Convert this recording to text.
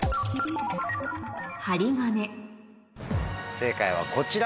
正解はこちら。